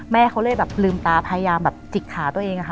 แม่เขาเรียกแบบลืมตาพยายามแบบจิกขาตัวเอง